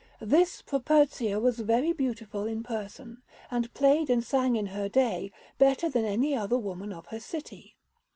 This Properzia was very beautiful in person, and played and sang in her day better than any other woman of her city.